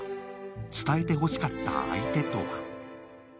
伝えてほしかった相手とは？